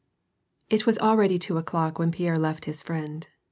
It was already two o'clock, when Pierre left his friend.